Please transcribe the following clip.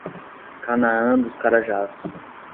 Canaã dos Carajás